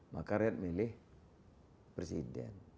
maka rakyat milih presiden